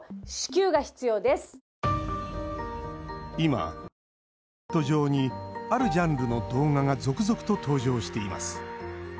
今、インターネット上にあるジャンルの動画が続々と登場しています。